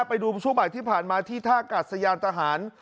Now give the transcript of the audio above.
ไปดูช่วงบ่ายที่ผ่านมาที่ท่ากัดสยานทหาร